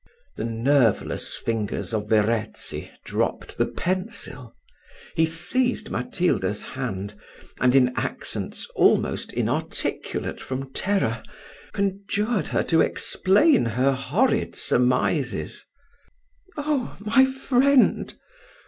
The nerveless fingers of Verezzi dropped the pencil he seized Matilda's hand, and, in accents almost inarticulate from terror, conjured her to explain her horrid surmises. "Oh! my friend!